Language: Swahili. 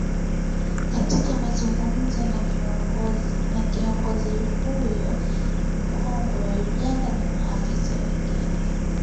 katika mazungumzo na kiongozi huyo mkongwe wa Uganda na maafisa wengine